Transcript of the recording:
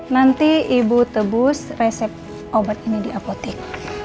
nanti ibu tebus resep obat ini di apotek